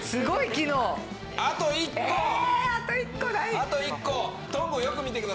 あと１個だ。